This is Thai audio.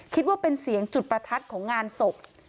คิดว่าเป็นเสียงจุดประทัดของงานศพ